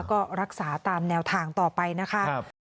ก็รักษาตามแนวทางต่อไปนะคะ